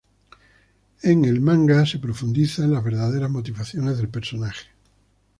En el manga se profundiza en las verdaderas motivaciones del personaje.